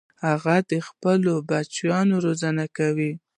هغه د خپلو بچیانو روزنه کوله.